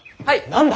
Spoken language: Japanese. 何だ？